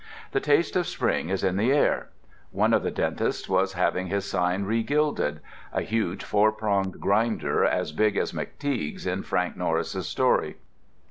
The taste of spring was in the air: one of the dentists was having his sign regilded, a huge four pronged grinder as big as McTeague's in Frank Norris's story.